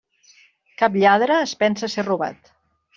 Cap lladre es pensa ser robat.